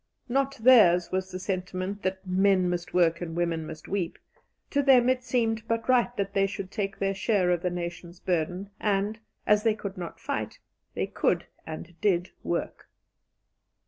Not theirs was the sentiment that "men must work and women must weep"; to them it seemed but right that they should take their share of the nation's burden, and, as they could not fight, they could, and did, work.